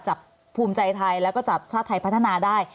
ภูมิใจไทยแล้วก็จับชาติไทยพัฒนาได้